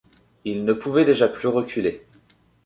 Il ne pouvait déjà plus reculer.